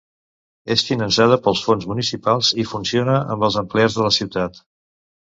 És finançada pels fons municipals i funciona amb els empleats de la ciutat.